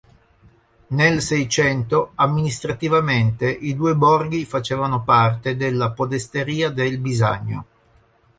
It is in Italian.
Nel Seicento amministrativamente i due borghi facevano parte della Podesteria del Bisagno.